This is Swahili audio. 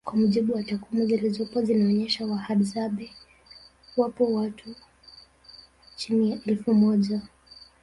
Kwa mujibu wa takwimu zilizopo zinaonesha wahadzabe wapo watu chini ya elfu moja